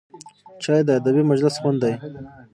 چای د ادبي مجلس خوند دی